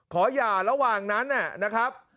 หย่าระหว่างนั้นนะครับ